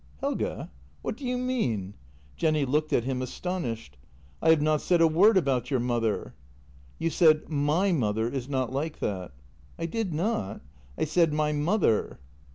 "Helge! What do you mean?" Jenny looked at him, astonished. " I have not said a word about your mother." " You said, my mother is not like that." " I did not. I said my mother."